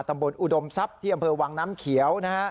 ตำบลอุดมทรัพย์ที่อำเภอวังน้ำเขียว